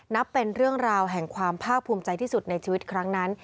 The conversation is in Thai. นับเป็นเรื่องราวแห่งความภาคภูมิใจที่สุดในชีวิตครั้งนั้น